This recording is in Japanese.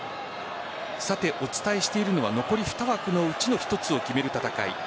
お伝えしているのは残り２枠のうちの１つを決める戦い